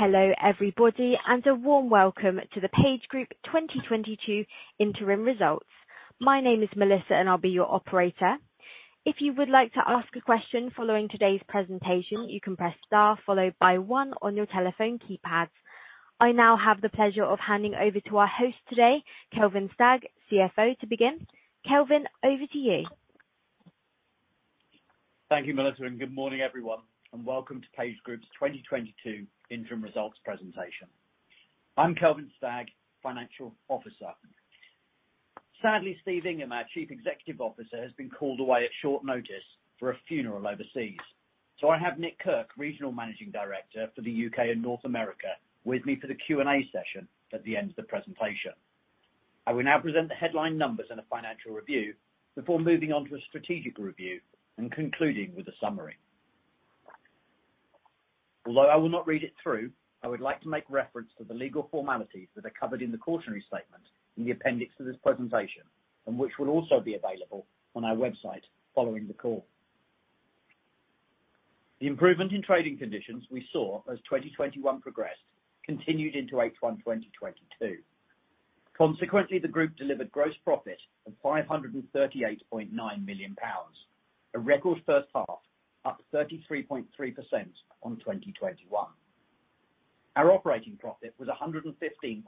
Hello everybody, and a warm welcome to the PageGroup 2022 interim results. My name is Melissa, and I'll be your operator. If you would like to ask a question following today's presentation, you can press star followed by one on your telephone keypads. I now have the pleasure of handing over to our host today, Kelvin Stagg, CFO, to begin. Kelvin, over to you. Thank you, Melissa, and good morning everyone, and welcome to PageGroup's 2022 interim results presentation. I'm Kelvin Stagg, Financial Officer. Sadly, Steve Ingham, our Chief Executive Officer, has been called away at short notice for a funeral overseas. I have Nicholas Kirk, Regional Managing Director for the U.K. and North America, with me for the Q&A session at the end of the presentation. I will now present the headline numbers and a financial review before moving on to a strategic review and concluding with a summary. Although I will not read it through, I would like to make reference to the legal formalities that are covered in the cautionary statement in the appendix to this presentation and which will also be available on our website following the call. The improvement in trading conditions we saw as 2021 progressed continued into H1 2022. Consequently, the group delivered gross profit of 538.9 million pounds, a record first half, up 33.3% on 2021. Our operating profit was 115.3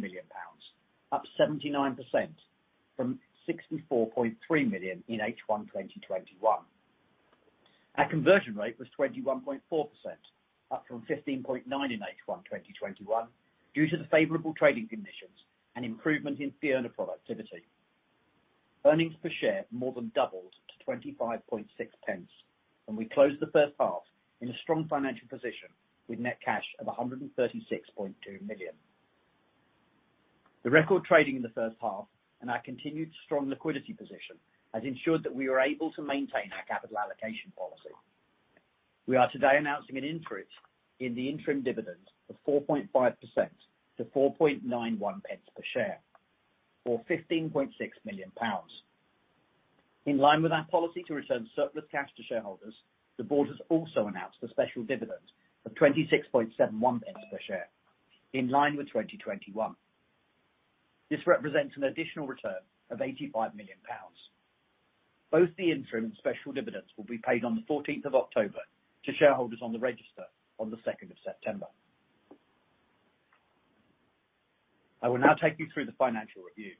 million pounds, up 79% from 64.3 million in H1 2021. Our conversion rate was 21.4%, up from 15.9% in H1 2021 due to the favorable trading conditions and improvement in fee earner productivity. Earnings per share more than doubled to 0.256, and we closed the first half in a strong financial position with net cash of 136.2 million. The record trading in the first half and our continued strong liquidity position has ensured that we are able to maintain our capital allocation policy. We are today announcing an increase in the interim dividend of 4.5% to 0.0491 Per share or 15.6 million pounds. In line with our policy to return surplus cash to shareholders, the board has also announced a special dividend of 0.2671 Per share in line with 2021. This represents an additional return of 85 million pounds. Both the interim and special dividends will be paid on the 14th of October to shareholders on the register on the 2nd of September. I will now take you through the financial review.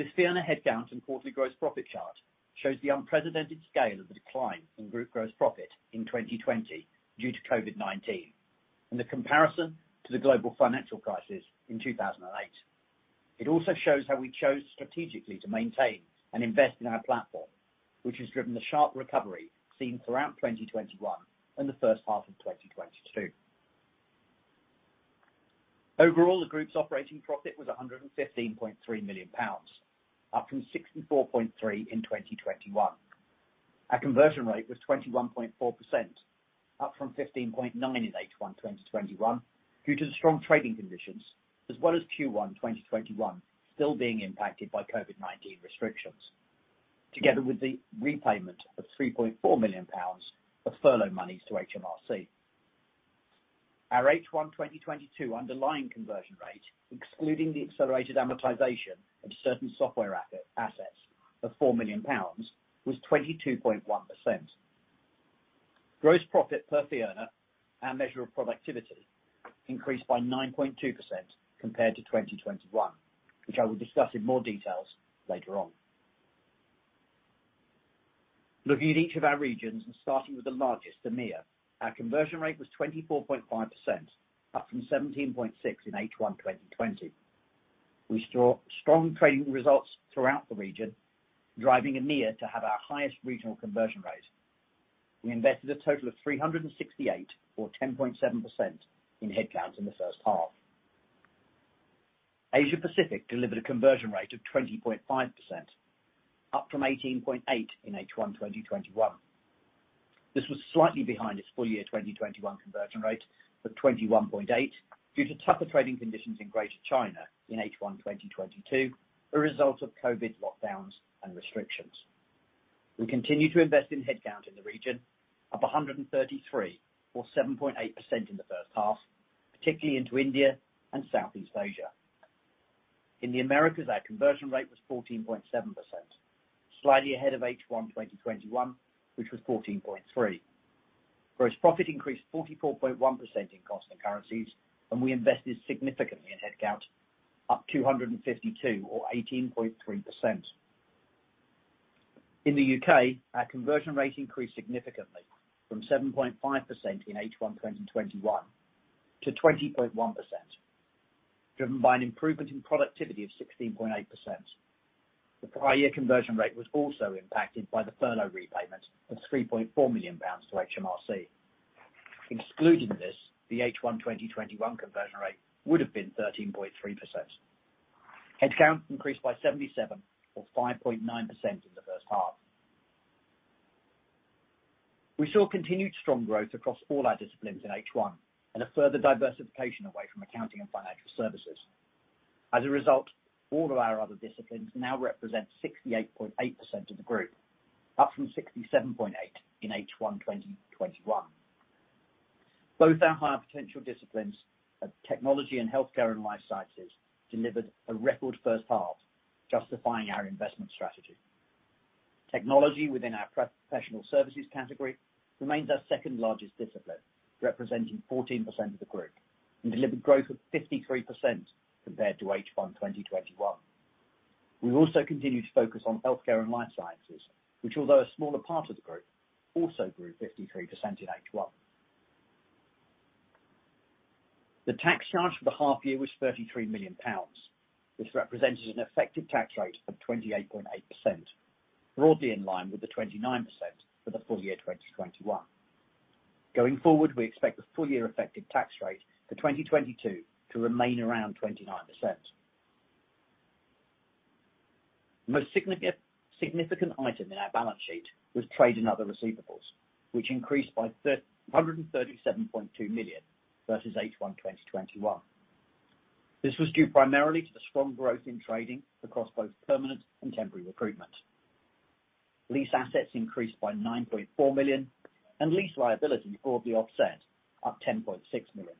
This fee earner headcount and quarterly gross profit chart shows the unprecedented scale of the decline in group gross profit in 2020 due to COVID-19, and the comparison to the global financial crisis in 2008. It also shows how we chose strategically to maintain and invest in our platform, which has driven the sharp recovery seen throughout 2021 and the first half of 2022. Overall, the group's operating profit was 115.3 million pounds, up from 64.3 million in 2021. Our conversion rate was 21.4%, up from 15.9% in H1 2021 due to the strong trading conditions as well as Q1 2021 still being impacted by COVID-19 restrictions, together with the repayment of 3.4 million pounds of furlough monies to HMRC. Our H1 2022 underlying conversion rate, excluding the accelerated amortization of certain software assets of 4 million pounds, was 22.1%. Gross profit per fee earner, our measure of productivity, increased by 9.2% compared to 2021, which I will discuss in more detail later on. Looking at each of our regions and starting with the largest, EMEA, our conversion rate was 24.5%, up from 17.6% in H1 2020. We saw strong trading results throughout the region, driving EMEA to have our highest regional conversion rate. We invested a total of 368 of 10.7% in headcounts in the first half. Asia Pacific delivered a conversion rate of 20.5%, up from 18.8% in H1 2021. This was slightly behind its full year 2021 conversion rate of 21.8% due to tougher trading conditions in Greater China in H1 2022, a result of COVID lockdowns and restrictions. We continue to invest in headcount in the region up 133 or 7.8% in the first half, particularly into India and Southeast Asia. In the Americas, our conversion rate was 14.7%, slightly ahead of H1 2021, which was 14.3%. Gross profit increased 44.1% in constant currencies, and we invested significantly in headcount up 252 or 18.3%. In the U.K., our conversion rate increased significantly from 7.5% in H1 2021 to 20.1%, driven by an improvement in productivity of 16.8%. The prior year conversion rate was also impacted by the furlough repayment of 3.4 million pounds to HMRC. Excluding this, the H1 2021 conversion rate would have been 13.3%. Headcount increased by 77 or 5.9% in the first half. We saw continued strong growth across all our disciplines in H1 and a further diversification away from accounting and financial services. As a result, all of our other disciplines now represent 68.8% of the group, up from 67.8% in H1 2021. Both our higher potential disciplines of technology and healthcare and life sciences delivered a record first half, justifying our investment strategy. Technology within our professional services category remains our second largest discipline, representing 14% of the group, and delivered growth of 53% compared to H1 2021. We've also continued to focus on healthcare and life sciences, which although a smaller part of the group, also grew 53% in H1. The tax charge for the half year was 33 million pounds, which represented an effective tax rate of 28.8%, broadly in line with the 29% for the full year 2021. Going forward, we expect the full year effective tax rate for 2022 to remain around 29%. The most significant item in our balance sheet was trade and other receivables, which increased by 337.2 million versus H1 2021. This was due primarily to the strong growth in trading across both permanent and temporary recruitment. Lease assets increased by 9.4 million and lease liability broadly offset up 10.6 million.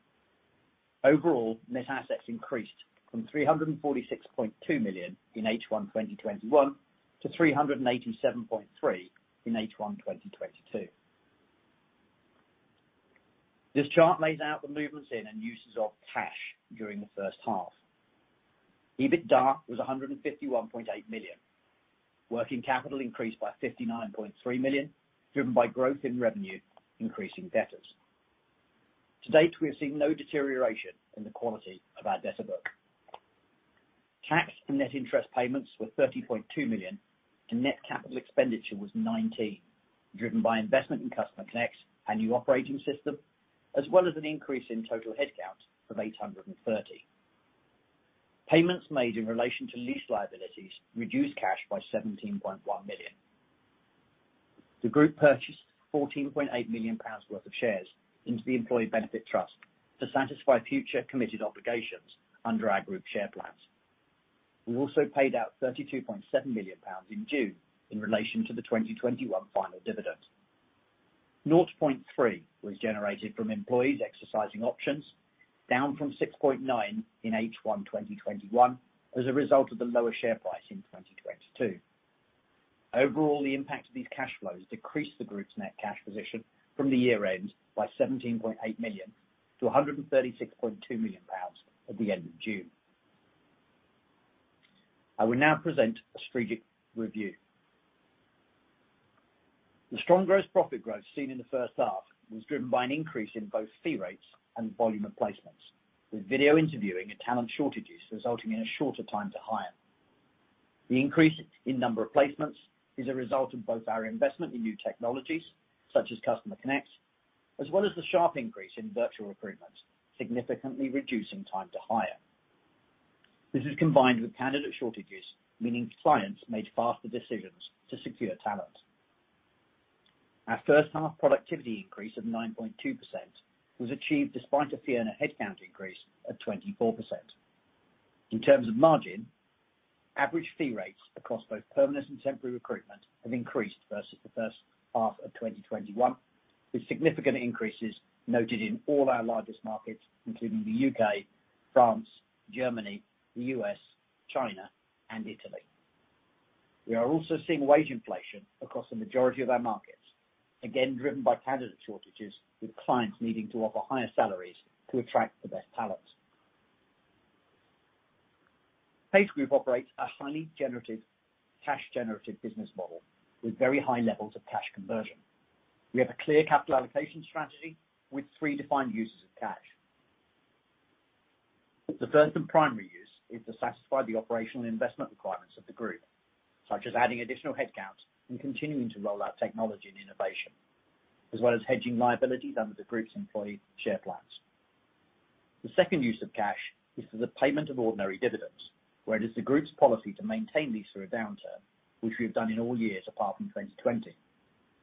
Overall, net assets increased from 346.2 million in H1 2021 to 387.3 million in H1 2022. This chart lays out the movements in and uses of cash during the first half. EBITDA was 151.8 million. Working capital increased by 59.3 million, driven by growth in revenue, increasing debtors. To date, we have seen no deterioration in the quality of our debtor book. Tax and net interest payments were 30.2 million and net capital expenditure was 19 million, driven by investment in Customer Connect, our new operating system, as well as an increase in total headcount of 830. Payments made in relation to lease liabilities reduced cash by 17.1 million. The group purchased 14.8 million pounds worth of shares into the employee benefit trust to satisfy future committed obligations under our group share plans. We also paid out 32.7 million pounds in June in relation to the 2021 final dividend. 0.3 was generated from employees exercising options, down from 6.9 in H1 2021, as a result of the lower share price in 2022. Overall, the impact of these cash flows decreased the group's net cash position from the year end by 17.8 million-136.2 million pounds at the end of June. I will now present a strategic review. The strong gross profit growth seen in the first half was driven by an increase in both fee rates and volume of placements, with video interviewing and talent shortages resulting in a shorter time to hire. The increase in number of placements is a result of both our investment in new technologies such as Customer Connect, as well as the sharp increase in virtual recruitment, significantly reducing time to hire. This is combined with candidate shortages, meaning clients made faster decisions to secure talent. Our first half productivity increase of 9.2% was achieved despite a year-on-year headcount increase of 24%. In terms of margin, average fee rates across both permanent and temporary recruitment have increased versus the first half of 2021, with significant increases noted in all our largest markets, including the U.K., France, Germany, the U.S., China, and Italy. We are also seeing wage inflation across the majority of our markets, again, driven by candidate shortages, with clients needing to offer higher salaries to attract the best talent. PageGroup operates a highly cash-generative business model with very high levels of cash conversion. We have a clear capital allocation strategy with 3 defined uses of cash. The first and primary use is to satisfy the operational investment requirements of the group, such as adding additional headcounts and continuing to roll out technology and innovation, as well as hedging liabilities under the group's employee share plans. The second use of cash is for the payment of ordinary dividends, where it is the group's policy to maintain these through a downturn, which we have done in all years apart from 2020,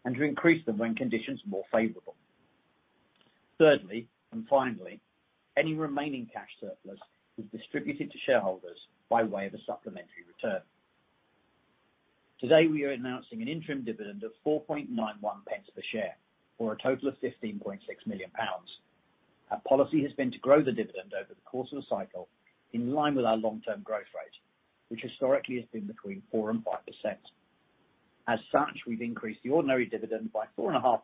and to increase them when conditions are more favorable. Thirdly, and finally, any remaining cash surplus is distributed to shareholders by way of a supplementary return. Today, we are announcing an interim dividend of 0.0491 per share or a total of 15.6 million pounds. Our policy has been to grow the dividend over the course of the cycle in line with our long-term growth rate, which historically has been between 4%-5%. As such, we've increased the ordinary dividend by 4.5%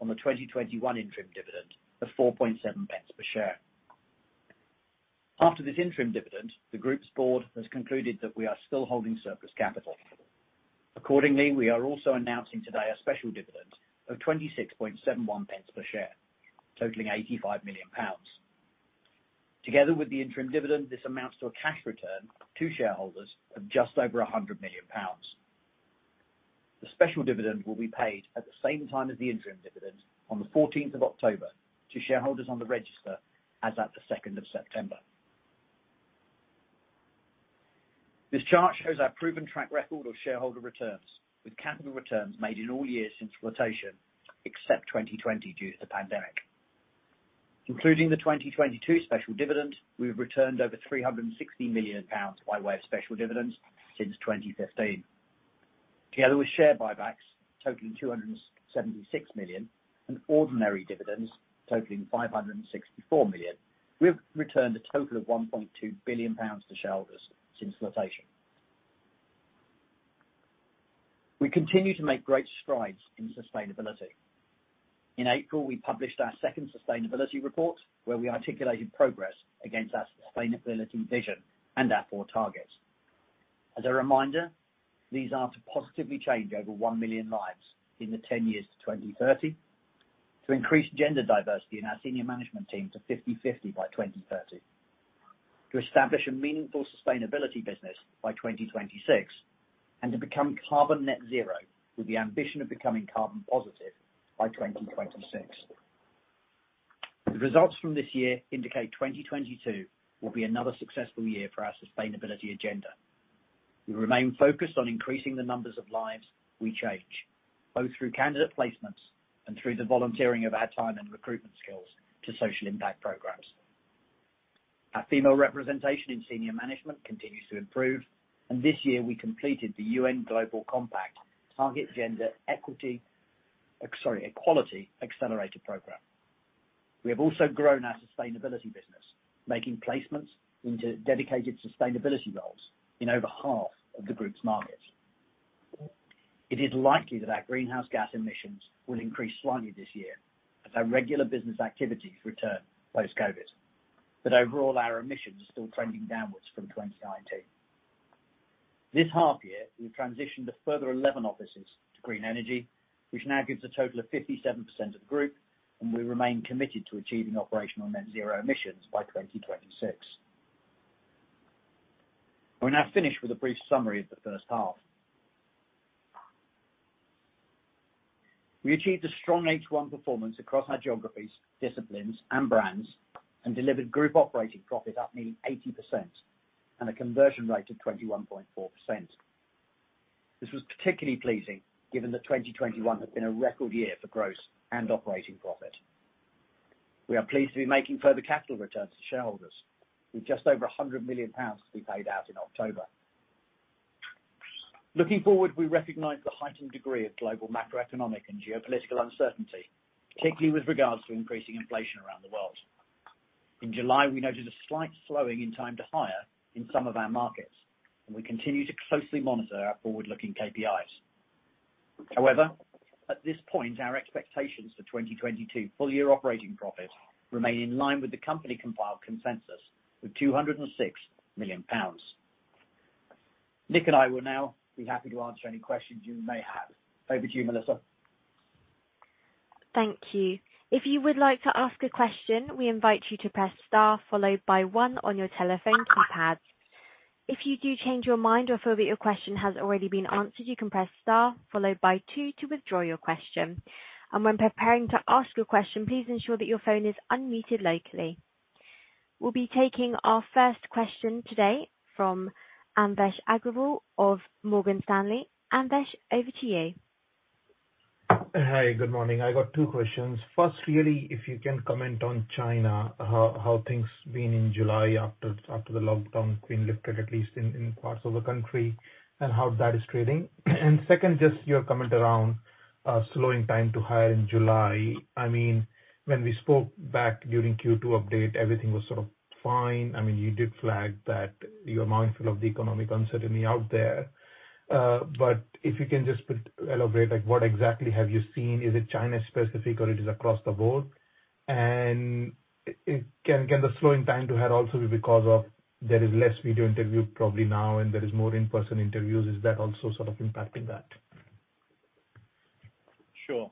on the 2021 interim dividend of 0.047 per share. After this interim dividend, the group's board has concluded that we are still holding surplus capital. Accordingly, we are also announcing today a special dividend of 0.2671 Per share, totaling 85 million pounds. Together with the interim dividend, this amounts to a cash return to shareholders of just over 100 million pounds. The special dividend will be paid at the same time as the interim dividend on the fourteenth of October to shareholders on the register as at the second of September. This chart shows our proven track record of shareholder returns, with capital returns made in all years since flotation, except 2020 due to the pandemic. Including the 2022 special dividend, we've returned over 360 million pounds by way of special dividends since 2015. Together with share buybacks totaling 276 million and ordinary dividends totaling 564 million, we have returned a total of 1.2 billion pounds to shareholders since flotation. We continue to make great strides in sustainability. In April, we published our second sustainability report, where we articulated progress against our sustainability vision and our four targets. As a reminder, these are to positively change over one million lives in the 10 years to 2030, to increase gender diversity in our senior management team to 50/50 by 2030, to establish a meaningful sustainability business by 2026, and to become carbon net zero with the ambition of becoming carbon positive by 2026. The results from this year indicate 2022 will be another successful year for our sustainability agenda. We remain focused on increasing the numbers of lives we change, both through candidate placements and through the volunteering of our time and recruitment skills to social impact programs. Our female representation in senior management continues to improve, and this year we completed the UN Global Compact Target Gender Equality Accelerator program. We have also grown our sustainability business, making placements into dedicated sustainability roles in over half of the group's markets. It is likely that our greenhouse gas emissions will increase slightly this year as our regular business activities return post-COVID. Overall, our emissions are still trending downwards from 2019. This half year, we've transitioned to further 11 offices to green energy, which now gives a total of 57% of the group, and we remain committed to achieving operational net zero emissions by 2026. I will now finish with a brief summary of the first half. We achieved a strong H1 performance across our geographies, disciplines, and brands, and delivered group operating profit up 80% and a conversion rate of 21.4%. This was particularly pleasing given that 2021 had been a record year for gross and operating profit. We are pleased to be making further capital returns to shareholders, with just over 100 million pounds to be paid out in October. Looking forward, we recognize the heightened degree of global macroeconomic and geopolitical uncertainty, particularly with regards to increasing inflation around the world. In July, we noted a slight slowing in time to hire in some of our markets, and we continue to closely monitor our forward-looking KPIs. However, at this point, our expectations for 2022 full-year operating profit remain in line with the company compiled consensus with 206 million pounds. Nick and I will now be happy to answer any questions you may have. Over to you, Melissa. Thank you. If you would like to ask a question, we invite you to press star followed by one on your telephone keypad. If you do change your mind or feel that your question has already been answered, you can press star followed by two to withdraw your question. When preparing to ask a question, please ensure that your phone is unmuted locally. We'll be taking our first question today from Anvesh Agrawal of Morgan Stanley. Anvesh, over to you. Hi, good morning. I got two questions. First, really, if you can comment on China, how things been in July after the lockdown has been lifted, at least in parts of the country, and how that is trading. Second, just your comment around slowing time to hire in July. I mean, when we spoke back during Q2 update, everything was sort of fine. I mean, you did flag that you're mindful of the economic uncertainty out there. But if you can just elaborate, like, what exactly have you seen? Is it China-specific or it is across the board? Can the slowing time to hire also be because there is less video interview probably now and there is more in-person interviews? Is that also sort of impacting that? Sure.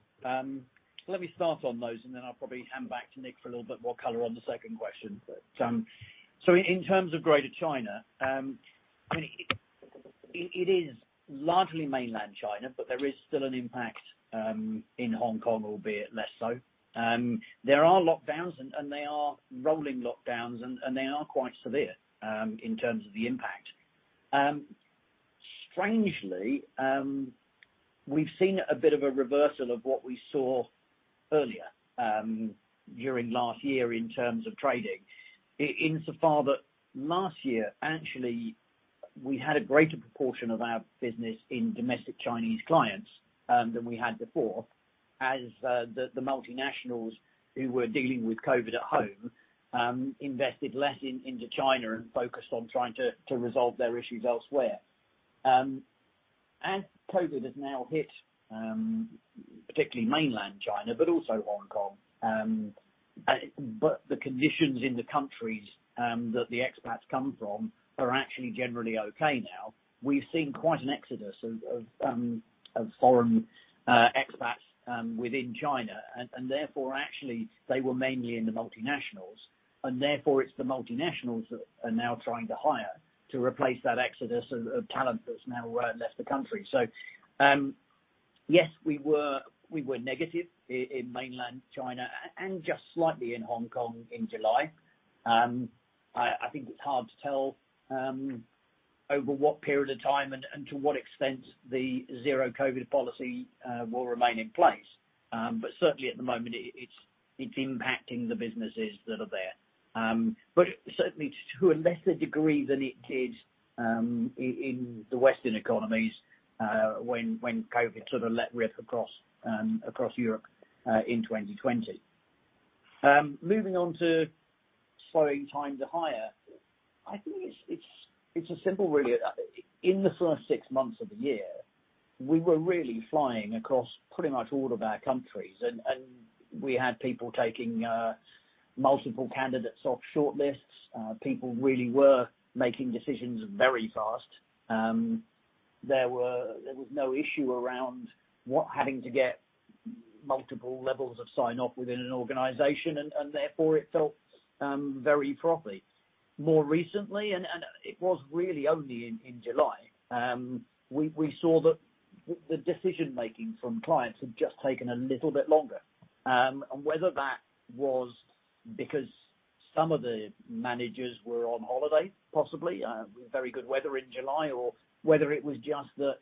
Let me start on those and then I'll probably hand back to Nick for a little bit more color on the second question. In terms of Greater China, I mean, it is largely mainland China, but there is still an impact in Hong Kong, albeit less so. There are lockdowns and they are rolling lockdowns and they are quite severe in terms of the impact. Strangely, we've seen a bit of a reversal of what we saw earlier during last year in terms of trading. Insofar that last year, actually, we had a greater proportion of our business in domestic Chinese clients than we had before as the multinationals who were dealing with COVID at home invested less into China and focused on trying to resolve their issues elsewhere. As COVID has now hit, particularly mainland China, but also Hong Kong, but the conditions in the countries that the expats come from are actually generally okay now. We've seen quite an exodus of foreign expats within China and therefore, actually, they were mainly in the multinationals. Therefore, it's the multinationals that are now trying to hire to replace that exodus of talent that's now left the country. Yes, we were negative in mainland China and just slightly in Hong Kong in July. I think it's hard to tell over what period of time and to what extent the zero COVID policy will remain in place. Certainly at the moment, it's impacting the businesses that are there. Certainly to a lesser degree than it did in the Western economies, when COVID sort of let rip across Europe in 2020. Moving on to slowing time to hire. I think it's simple, really. In the first six months of the year, we were really flying across pretty much all of our countries and we had people taking multiple candidates off shortlists. People really were making decisions very fast. There was no issue with having to get multiple levels of sign-off within an organization and therefore it felt very frothy. More recently, it was really only in July we saw that the decision-making from clients had just taken a little bit longer. Whether that was because some of the managers were on holiday, possibly, very good weather in July, or whether it was just that,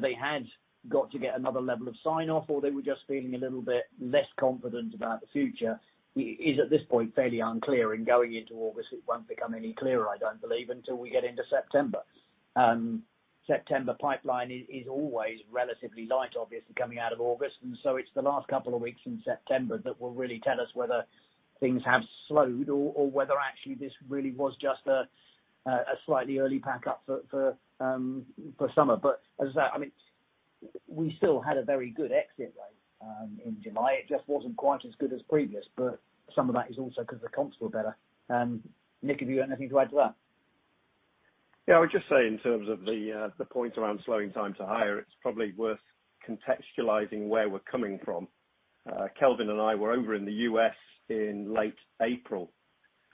they had got to get another level of sign-off or they were just feeling a little bit less confident about the future, is at this point, fairly unclear. Going into August, it won't become any clearer, I don't believe, until we get into September. September pipeline is always relatively light, obviously, coming out of August, and so it's the last couple of weeks in September that will really tell us whether things have slowed or whether actually this really was just a slightly early pack-up for summer. As that, I mean, we still had a very good exit rate in July. It just wasn't quite as good as previous. Some of that is also 'cause the comps were better. Nick, have you got anything to add to that? Yeah, I would just say in terms of the point around slowing time to hire, it's probably worth contextualizing where we're coming from. Kelvin and I were over in the U.S. in late April,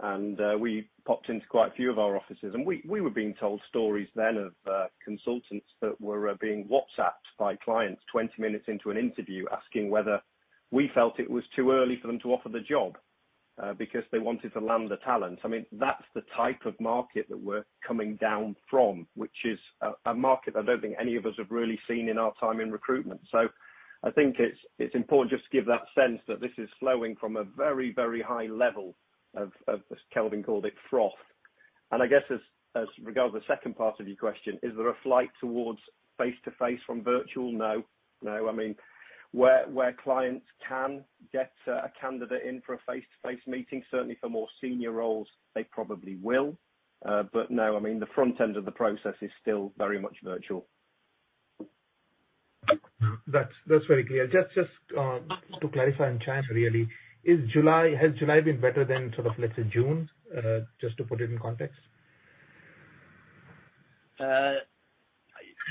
and we popped into quite a few of our offices. We were being told stories then of consultants that were being WhatsApped by clients 20 minutes into an interview, asking whether we felt it was too early for them to offer the job because they wanted to land the talent. I mean, that's the type of market that we're coming down from, which is a market I don't think any of us have really seen in our time in recruitment. I think it's important just to give that sense that this is slowing from a very, very high level of, as Kelvin called it, froth. I guess as regards the second part of your question, is there a flight towards face-to-face from virtual? No, no. I mean, where clients can get a candidate in for a face-to-face meeting, certainly for more senior roles, they probably will. But no, I mean, the front end of the process is still very much virtual. That's very clear. Just to clarify and then really, has July been better than sort of, let's say June, just to put it in context?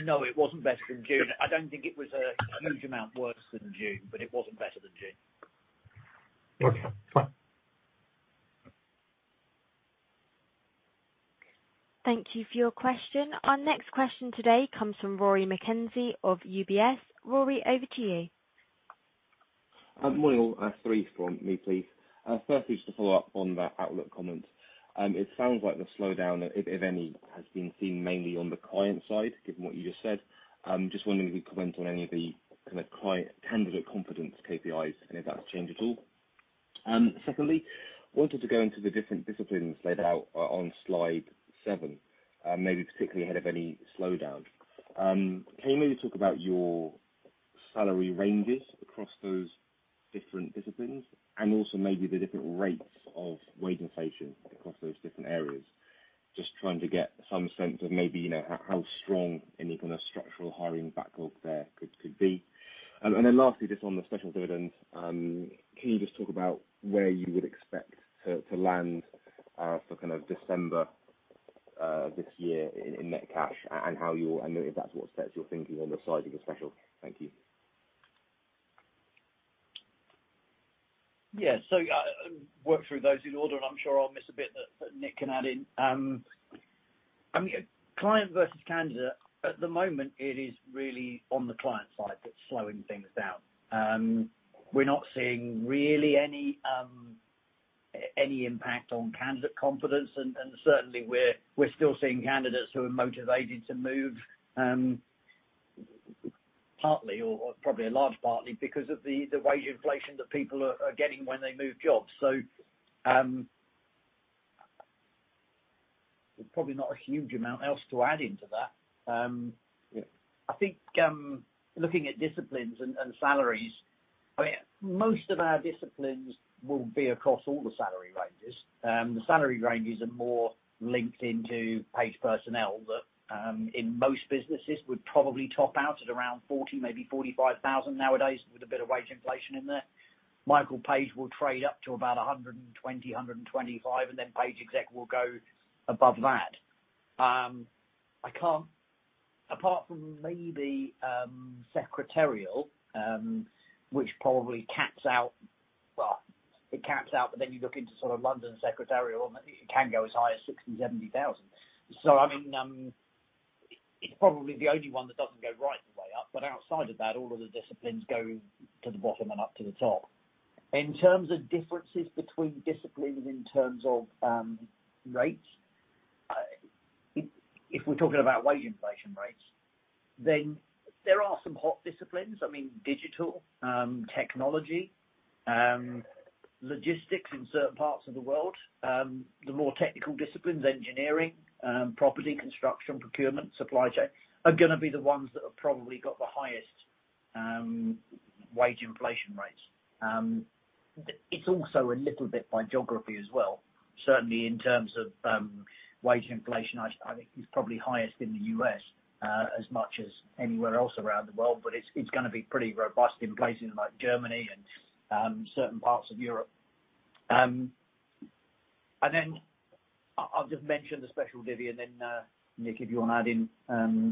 No, it wasn't better than June. I don't think it was a huge amount worse than June, but it wasn't better than June. Okay, fine. Thank you for your question. Our next question today comes from Rory McKenzie of UBS. Rory, over to you. Morning, all. Three from me, please. Firstly, just to follow up on that outlook comment. It sounds like the slowdown, if any, has been seen mainly on the client side, given what you just said. Just wondering if you could comment on any of the candidate confidence KPIs and if that's changed at all. Secondly, wanted to go into the different disciplines laid out on slide seven, maybe particularly ahead of any slowdown. Can you maybe talk about your salary ranges across those different disciplines and also maybe the different rates of wage inflation across those different areas? Just trying to get some sense of, you know, how strong any kind of structural hiring backlog there could be. Lastly, just on the special dividend, can you just talk about where you would expect to land for kind of December this year in net cash. Maybe if that's what sets your thinking on the size of the special. Thank you. Yeah. Work through those in order, and I'm sure I'll miss a bit that Nick can add in. I mean, client versus candidate, at the moment it is really on the client side that's slowing things down. We're not seeing really any impact on candidate confidence. Certainly we're still seeing candidates who are motivated to move, partly or probably a large part because of the wage inflation that people are getting when they move jobs. There's probably not a huge amount else to add into that. I think, looking at disciplines and salaries, I mean, most of our disciplines will be across all the salary ranges. The salary ranges are more linked into Page Personnel that, in most businesses would probably top out at around 40,000, maybe 45,000 nowadays with a bit of wage inflation in there. Michael Page will trade up to about 120,000-125,000, and then Page Executive will go above that. Apart from maybe secretarial, which probably caps out. Well, it caps out, but then you look into sort of London secretarial, and it can go as high as 60,000-70,000. I mean, it's probably the only one that doesn't go right the way up. Outside of that, all of the disciplines go to the bottom and up to the top. In terms of differences between disciplines, in terms of rates, if we're talking about wage inflation rates, then there are some hot disciplines. I mean, digital, technology, logistics in certain parts of the world. The more technical disciplines, engineering, property, construction, procurement, supply chain, are gonna be the ones that have probably got the highest wage inflation rates. It's also a little bit by geography as well. Certainly, in terms of wage inflation, I think it's probably highest in the U.S., as much as anywhere else around the world, but it's gonna be pretty robust in places like Germany and certain parts of Europe. I'll just mention the special dividend, and then, Nick, if you wanna add in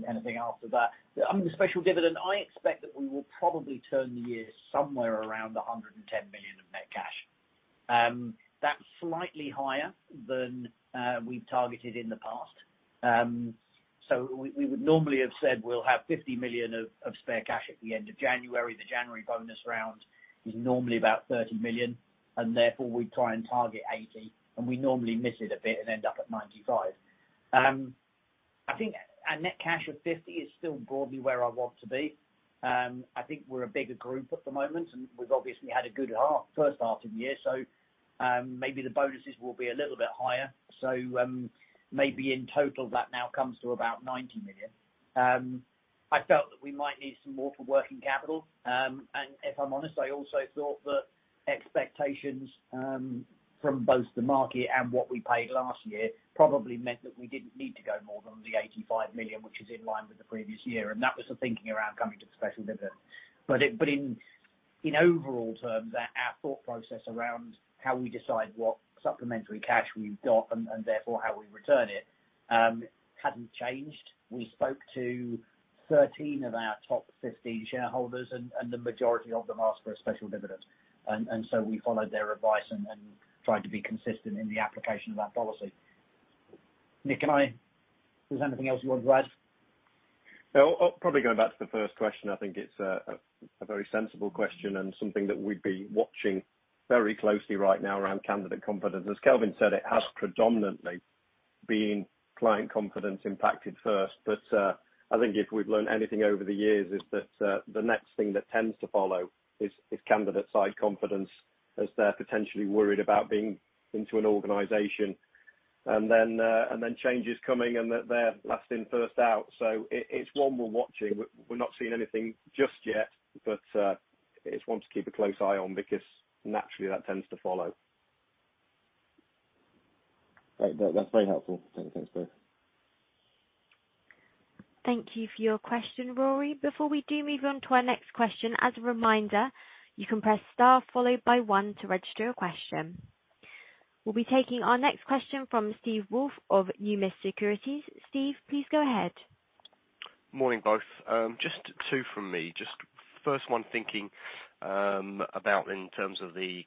anything after that. I mean, the special dividend, I expect that we will probably end the year somewhere around 110 million of net cash. That's slightly higher than we've targeted in the past. We would normally have said we'll have 50 million of spare cash at the end of January. The January bonus round is normally about 30 million, and therefore, we try and target 80 million, and we normally miss it a bit and end up at 95 million. I think a net cash of 50 million is still broadly where I want to be. I think we're a bigger group at the moment, and we've obviously had a good first half of the year, so maybe the bonuses will be a little bit higher. Maybe in total, that now comes to about 90 million. I felt that we might need some more for working capital. If I'm honest, I also thought that expectations from both the market and what we paid last year probably meant that we didn't need to go more than the 85 million, which is in line with the previous year. That was the thinking around coming to the special dividend. In overall terms, our thought process around how we decide what supplementary cash we've got and therefore how we return it hadn't changed. We spoke to 13 of our top 15 shareholders and the majority of them asked for a special dividend. We followed their advice and tried to be consistent in the application of that policy. Nick, can I? Is there anything else you want to add? No. I'll probably go back to the first question. I think it's a very sensible question and something that we'd be watching very closely right now around candidate confidence. As Kelvin said, it has predominantly been client confidence impacted first. I think if we've learned anything over the years is that the next thing that tends to follow is candidate-side confidence, as they're potentially worried about being into an organization. Then changes coming and that they're last in, first out. It's one we're watching. We're not seeing anything just yet, but it's one to keep a close eye on because naturally, that tends to follow. Great. That's very helpful. Thank you both. Thank you for your question, Rory. Before we do move on to our next question, as a reminder, you can press star followed by one to register a question. We'll be taking our next question from Steve Woolf of Numis Securities. Steve, please go ahead. Morning, both. Just two from me. Just first one, thinking about in terms of the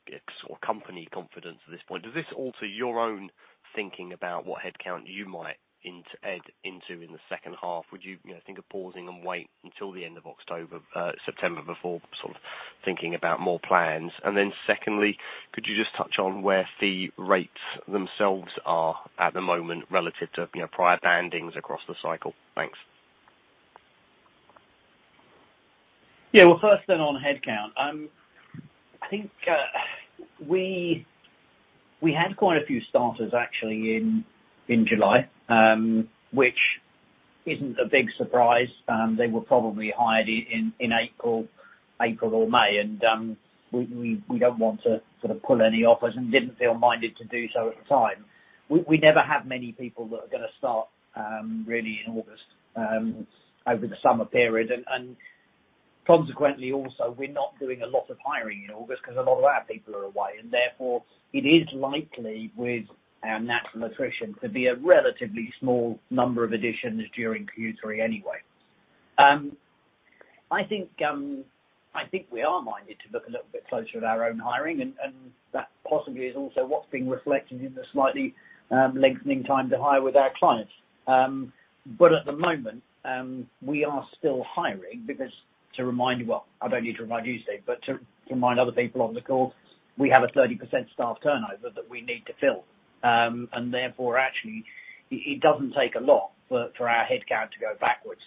company confidence at this point. Does this alter your own thinking about what headcount you might add into in the second half? Would you know, think of pausing and wait until the end of October, September before sort of thinking about more plans? Then secondly, could you just touch on where fee rates themselves are at the moment relative to, you know, prior bandings across the cycle? Thanks. Yeah. Well, first then on headcount. I think we had quite a few starters actually in July, which isn't a big surprise. They were probably hired in April or May. We don't want to sort of pull any offers and didn't feel minded to do so at the time. We never have many people that are gonna start really in August over the summer period. Consequently also, we're not doing a lot of hiring in August because a lot of our people are away. Therefore, it is likely, with our natural attrition, to be a relatively small number of additions during Q3 anyway. I think we are minded to look a little bit closer at our own hiring and that possibly is also what's being reflected in the slightly lengthening time to hire with our clients. At the moment, we are still hiring because to remind. Well, I don't need to remind you, Steve, but to remind other people on the call, we have a 30% staff turnover that we need to fill. Therefore, actually, it doesn't take a lot for our headcount to go backwards,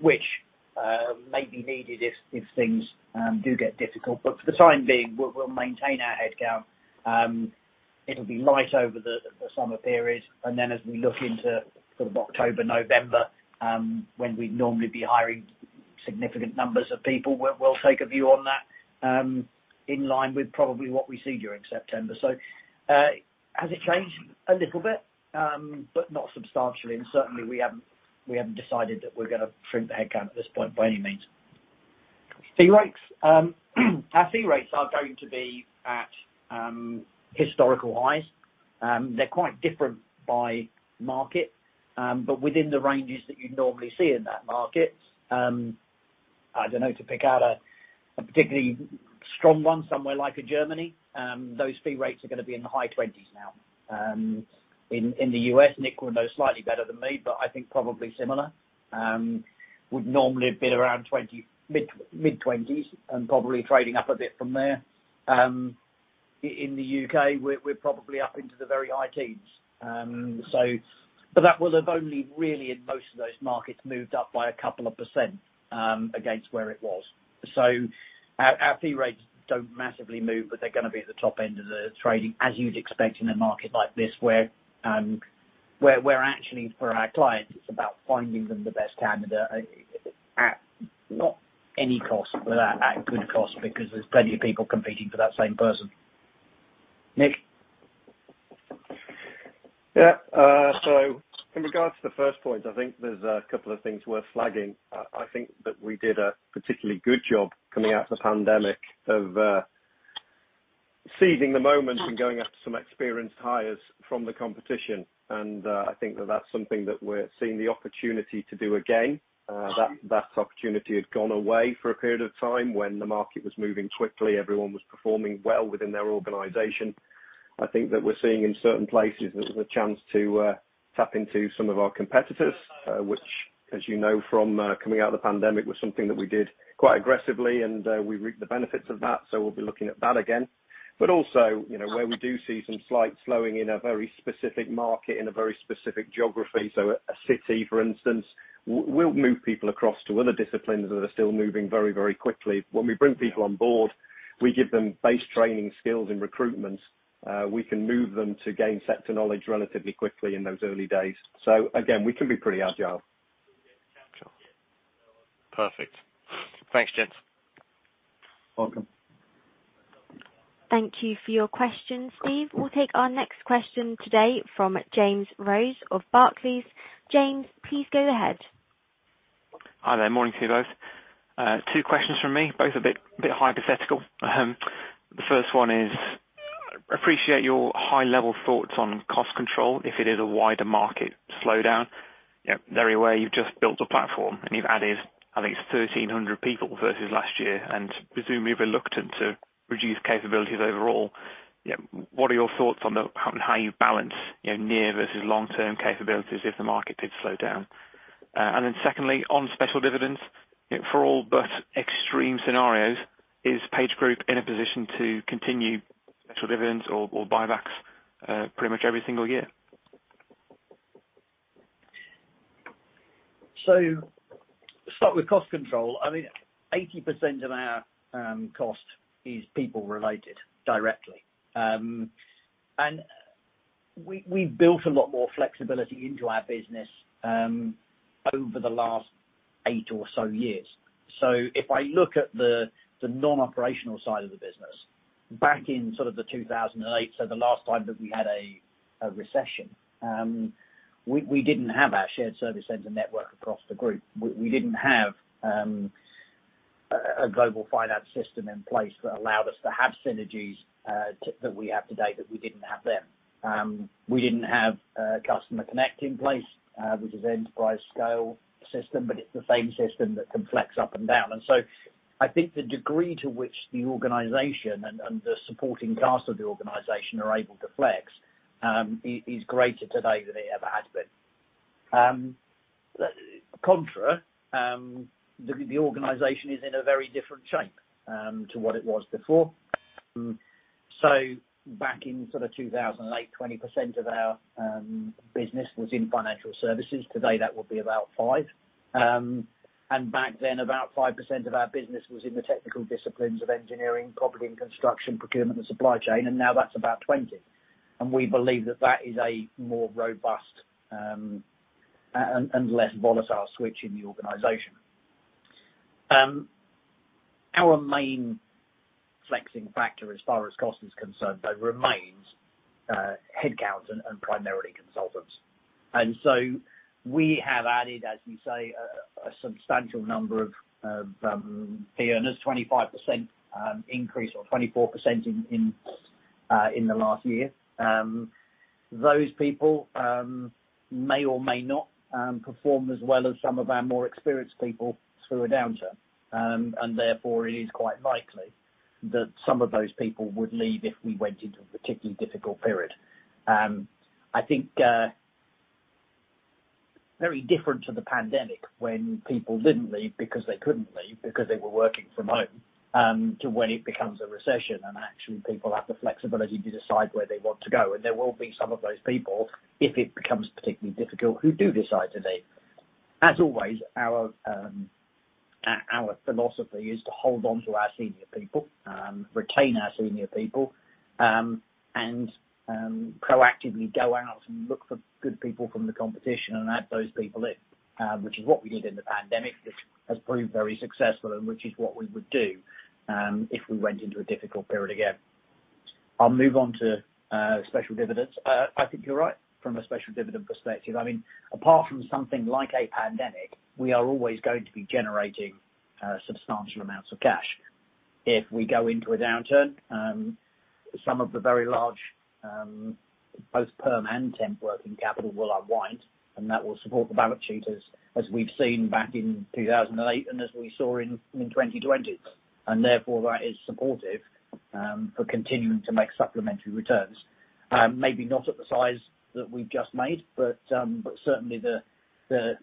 which may be needed if things do get difficult. For the time being, we'll maintain our headcount. It'll be light over the summer period. Then as we look into sort of October, November, when we'd normally be hiring significant numbers of people, we'll take a view on that in line with probably what we see during September. Has it changed? A little bit, but not substantially. Certainly, we haven't decided that we're gonna shrink the headcount at this point by any means. Fee rates. Our fee rates are going to be at historical highs. They're quite different by market, but within the ranges that you'd normally see in that market. I don't know, to pick out a particularly strong one, somewhere like Germany, those fee rates are gonna be in the high twenties now. In the U.S., Nick will know slightly better than me, but I think probably similar. Would normally have been around 20, mid-20s and probably trading up a bit from there. In the U.K., we're probably up into the very high teens. But that will have only really in most of those markets, moved up by 2%, against where it was. Our fee rates don't massively move, but they're gonna be at the top end of the trading, as you'd expect in a market like this, where actually for our clients, it's about finding them the best candidate at, not any cost, but at good cost because there's plenty of people competing for that same person. Nick? Yeah. In regards to the first point, I think there's a couple of things worth flagging. I think that we did a particularly good job coming out of the pandemic of seizing the moment and going after some experienced hires from the competition. I think that that's something that we're seeing the opportunity to do again. That opportunity had gone away for a period of time when the market was moving quickly, everyone was performing well within their organization. I think that we're seeing in certain places, there's a chance to tap into some of our competitors, which, as you know from coming out of the pandemic, was something that we did quite aggressively, and we reaped the benefits of that, so we'll be looking at that again. Also, you know, where we do see some slight slowing in a very specific market, in a very specific geography, so a city, for instance, we'll move people across to other disciplines that are still moving very, very quickly. When we bring people on board, we give them base training skills in recruitment. We can move them to gain sector knowledge relatively quickly in those early days. Again, we can be pretty agile. Sure. Perfect. Thanks, gents. Welcome. Thank you for your question, Steve. We'll take our next question today from James Rose of Barclays. James, please go ahead. Hi there. Morning to you both. Two questions from me, both a bit hypothetical. The first one is, appreciate your high level thoughts on cost control, if it is a wider market slowdown. You know, very aware you've just built a platform, and you've added, I think it's 1,300 people versus last year, and presume you're reluctant to reduce capabilities overall. Yeah, what are your thoughts on how you balance, you know, near versus long term capabilities if the market did slow down? Secondly, on special dividends, you know, for all but extreme scenarios, is PageGroup in a position to continue special dividends or buybacks, pretty much every single year? Start with cost control. I mean, 80% of our cost is people related directly. We built a lot more flexibility into our business over the last eight or so years. If I look at the non-operational side of the business back in sort of 2008, so the last time that we had a recession, we didn't have our shared service center network across the group. We didn't have a global finance system in place that allowed us to have synergies that we have today that we didn't have then. We didn't have Customer Connect in place, which is enterprise scale system, but it's the same system that can flex up and down. I think the degree to which the organization and the supporting cast of the organization are able to flex is greater today than it ever has been. In contrast, the organization is in a very different shape to what it was before. Back in sort of 2008, 20% of our business was in financial services. Today, that would be about 5%. Back then, about 5% of our business was in the technical disciplines of engineering, property and construction, procurement and supply chain, and now that's about 20%. We believe that is a more robust and less volatile mix in the organization. Our main flexing factor as far as cost is concerned, though, remains headcount and primarily consultants. We have added, as you say, a substantial number of fee earners, 25% increase or 24% in the last year. Those people may or may not perform as well as some of our more experienced people through a downturn. Therefore it is quite likely that some of those people would leave if we went into a particularly difficult period. I think very different to the pandemic when people didn't leave because they couldn't leave because they were working from home, to when it becomes a recession and actually people have the flexibility to decide where they want to go. There will be some of those people, if it becomes particularly difficult, who do decide to leave. As always, our philosophy is to hold on to our senior people, retain our senior people, and proactively go out and look for good people from the competition and add those people in, which is what we did in the pandemic, which has proved very successful and which is what we would do, if we went into a difficult period again. I'll move on to special dividends. I think you're right from a special dividend perspective. I mean, apart from something like a pandemic, we are always going to be generating substantial amounts of cash. If we go into a downturn, some of the very large both perm and temp working capital will unwind, and that will support the balance sheet as we've seen back in 2008 and as we saw in 2020. Therefore, that is supportive for continuing to make supplementary returns. Maybe not at the size that we've just made, but certainly the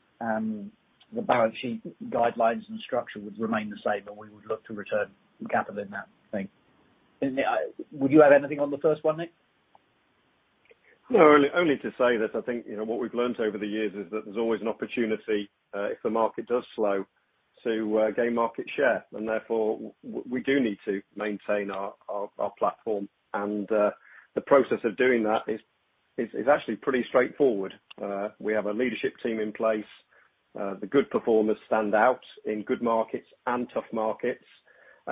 balance sheet guidelines and structure would remain the same, and we would look to return capital in that vein. Would you add anything on the first one, Nick? No, only to say that I think, you know, what we've learned over the years is that there's always an opportunity if the market does slow, to gain market share. Therefore, we do need to maintain our platform. The process of doing that is actually pretty straightforward. We have a leadership team in place. The good performers stand out in good markets and tough markets.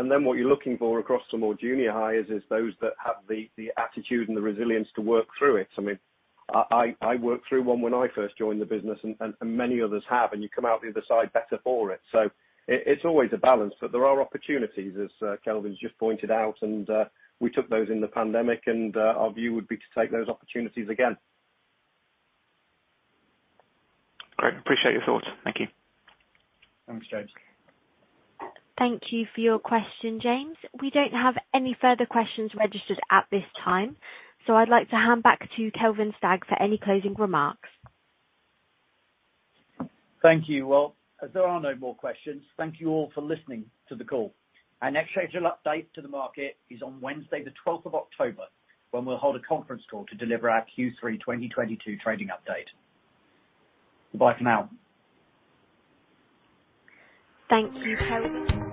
Then what you're looking for across to more junior hires is those that have the attitude and the resilience to work through it. I mean, I worked through one when I first joined the business and many others have, and you come out the other side better for it. It's always a balance, but there are opportunities, as Kelvin's just pointed out, and we took those in the pandemic and our view would be to take those opportunities again. Great. Appreciate your thoughts. Thank you. Thanks, James. Thank you for your question, James. We don't have any further questions registered at this time, so I'd like to hand back to Kelvin Stagg for any closing remarks. Thank you. Well, as there are no more questions, thank you all for listening to the call. Our next scheduled update to the market is on Wednesday, the twelfth of October, when we'll hold a conference call to deliver our Q3 2022 trading update. Bye for now. Thank you, Kelvin.